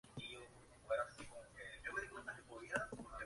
En el resto del frente la situación continuó más o menos estable.